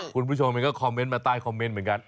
คุณผู้ชมมันก็คอมเมนต์มาใต้คอมเมนต์เหมือนกัน